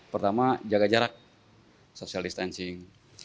pertama jaga jarak social distancing